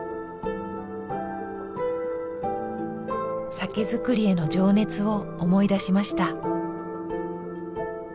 酒造りへの情熱を思い出しました。